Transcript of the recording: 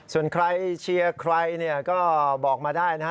ส่วนใครเชียร์ใครเนี่ยก็บอกมาได้นะฮะ